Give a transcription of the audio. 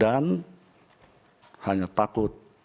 dan hanya takut